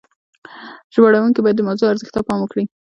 ژباړونکي باید د موضوع ارزښت ته پام وکړي.